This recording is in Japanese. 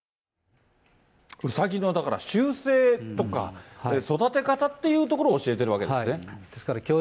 うさぎの、だから習性とか、育て方っていうところを教えてるわけですね。